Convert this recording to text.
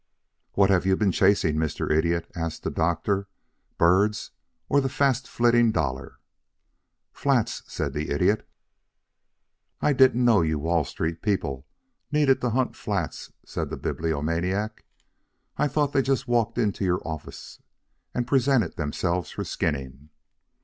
"What have you been chasing, Mr. Idiot?" asked the Doctor. "Birds or the fast flitting dollar?" "Flats," said the Idiot. "I didn't know you Wall Street people needed to hunt flats," said the Bibliomaniac. "I thought they just walked into your offices and presented themselves for skinning."